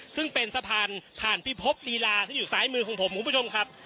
ซึ่งเป็นสะพานผ่านพิภพลีลาซึ่งอยู่ซ้ายมือของผมคุณผู้ชมครับ